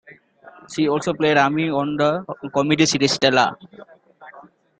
She also played Amy on the comedy series "Stella".